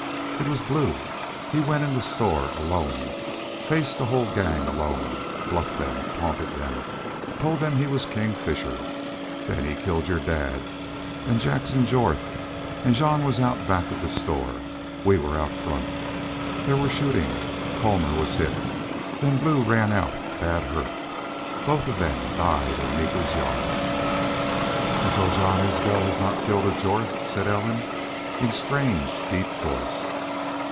"It was Blue. He went in the store alone faced the whole gang alone. Bluffed them taunted them told them he was King Fisher.... Then he killed your dad an' Jackson Jorth.... Jean was out back of the store. We were out front. There was shootin'. Colmor was hit. Then Blue ran out bad hurt.... Both of them died in Meeker's yard." "An' so Jean Isbel has not killed a Jorth!" said Ellen, in strange, deep voice.